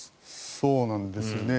そうなんですよね。